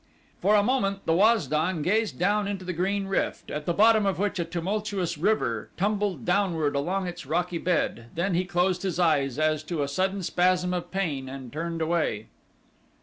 For a moment the Waz don gazed down into the green rift at the bottom of which a tumultuous river tumbled downward along its rocky bed, then he closed his eyes as to a sudden spasm of pain and turned away.